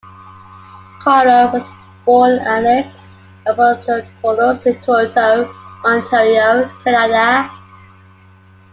Carter was born Alex Apostolopoulos in Toronto, Ontario, Canada.